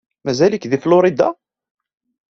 Mazal-ik deg Florida?